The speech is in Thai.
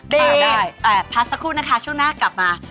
เดี๋ยวพักสักครู่นะคะช่วงหน้ากลับมา